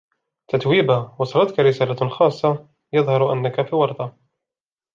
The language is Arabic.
تتويبا: وصلتك رسالة خاصة ؟ يظهر أنك في ورطة...